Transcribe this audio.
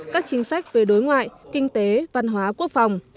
các chính sách về đối ngoại kinh tế văn hóa quốc phòng